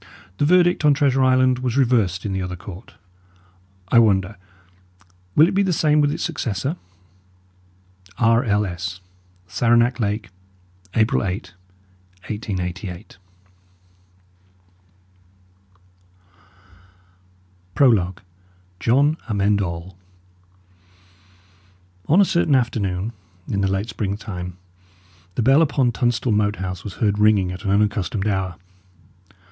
The verdict on Treasure Island was reversed in the other court; I wonder, will it be the same with its successor? R. L. S. SARANAC LAKE, April 8, 1888. PROLOGUE JOHN AMEND ALL On a certain afternoon, in the late springtime, the bell upon Tunstall Moat House was heard ringing at an unaccustomed hour.